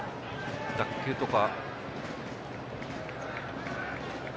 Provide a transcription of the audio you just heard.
脱臼とか。